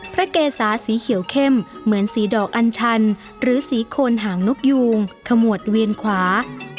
เกษาสีเขียวเข้มเหมือนสีดอกอันชันหรือสีโคนหางนกยูงขมวดเวียนขวา